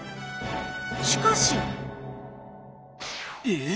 しかし。え！